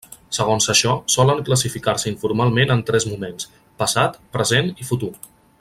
Segons això, solen classificar-se informalment en tres moments: passat, present i futur.